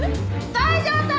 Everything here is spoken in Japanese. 西條さん！